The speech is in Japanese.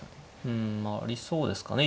うんまあありそうですかね。